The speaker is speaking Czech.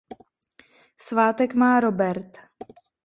Svátek má Robert.